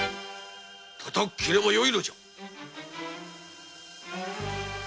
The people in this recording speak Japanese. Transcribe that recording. たたっ切ればよいのじゃ。